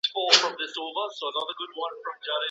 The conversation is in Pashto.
نه مارغان